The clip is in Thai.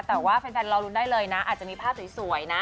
แต่ว่าแฟนรอลุ้นได้เลยนะอาจจะมีภาพสวยนะ